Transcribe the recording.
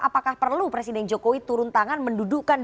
apakah perlu presiden jokowi turun tangan mendudukan